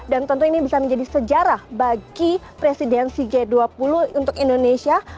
dan tentunya ini bisa menjadi sejarah bagi presidensi g dua puluh untuk indonesia